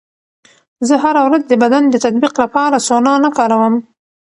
زه هره ورځ د بدن د تطبیق لپاره سونا نه کاروم.